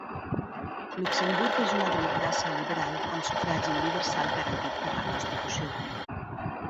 Luxemburg és una democràcia liberal, amb sufragi universal garantit per la Constitució.